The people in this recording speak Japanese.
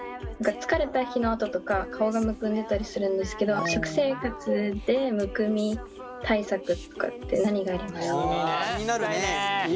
疲れた日のあととか顔がむくんでたりするんですけど食生活でむくみ対策とかって何がありますか？